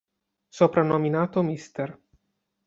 Soprannominato "Mr.